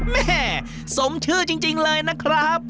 แม่สมชื่อจริงเลยนะครับ